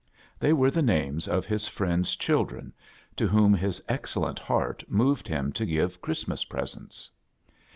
Tbey were the names of his friends' children to whom his ex cellent heart moved him to give Christ mas presents.